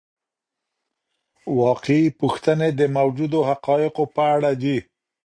واقعي پوښتنې د موجودو حقایقو په اړه دي.